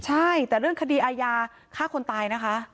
ใช่แต่เรื่องคดีอาญาฆ่าคนตายนะคะ